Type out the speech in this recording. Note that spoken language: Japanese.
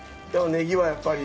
ネギはやっぱり。